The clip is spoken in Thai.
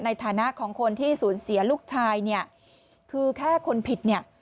ในฐานะของคนที่สูญเสียลูกชายเนี่ยคือแค่คนผิดเนี่ย